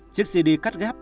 chiếc cd cắt ghép